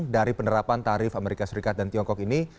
dari penerapan tarif as dan tiongkok ini